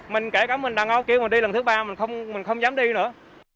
mình kể cả mình đang ở kia mình đi lần thứ ba mình không dám đi nữa